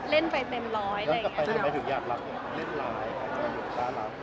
เล่นไปถึงหยาดรักเล่นร้าย